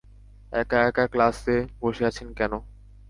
এক একা ক্লাসে বসে আছেন কেন?